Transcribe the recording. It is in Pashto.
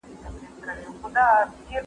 حیات الله له کار پرته بل څه نه پېژندل.